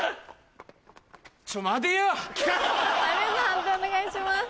判定お願いします。